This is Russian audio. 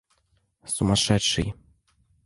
Сумасшедший.